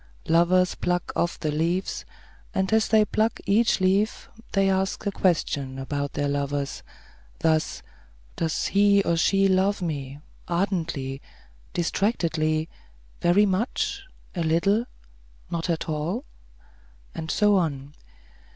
Lovers pluck off the leaves, and as they pluck each leaf, they ask a question about their lovers; thus: "Does he or she love me? Ardently? Distractedly? Very much? A little? Not at all?" and so on.